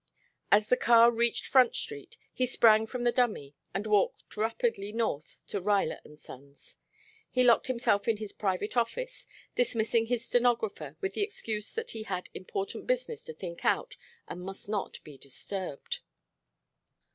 As the car reached Front Street he sprang from the dummy and walked rapidly north to Ruyler and Sons. He locked himself in his private office, dismissing his stenographer with the excuse that he had important business to think out and must not be disturbed.